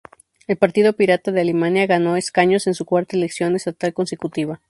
El Partido Pirata de Alemania, ganó escaños en su cuarta elección estatal consecutiva.